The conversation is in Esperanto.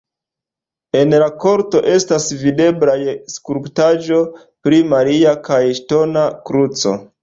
En la korto estas videblaj skulptaĵo pri Maria kaj ŝtona kruco.